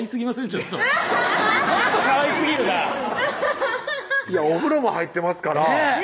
ちょっとちょっとかわいすぎるなぁお風呂も入ってますからねぇ